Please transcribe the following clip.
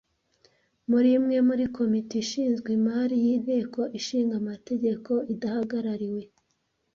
Muri imwe muri komite ishinzwe imari y’Inteko Ishinga Amategeko idahagarariwe